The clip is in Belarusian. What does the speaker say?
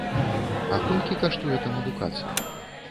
А колькі каштуе там адукацыя?